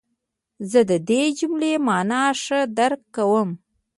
زه د دې جملې مانا ښه درک کوم.